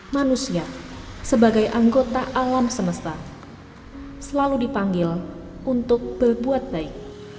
manusia sebagai anggota alam semesta selalu dipanggil untuk berbuat baik